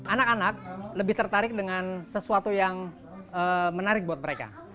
anak anak lebih tertarik dengan sesuatu yang menarik buat mereka